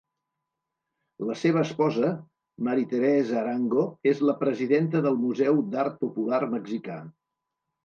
La seva esposa, Marie-Therese Arango, es la presidenta del Museu d'Art Popular Mexicà.